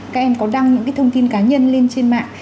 các em có đăng những thông tin cá nhân lên trên mạng